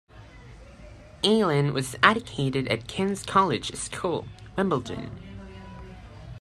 Ayling was educated at King's College School, Wimbledon.